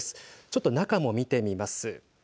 ちょっと中も見てみます。